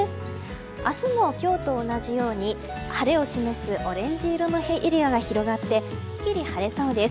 明日も今日と同じように晴れを示すオレンジ色のエリアが広がって、スッキリ晴れそうです。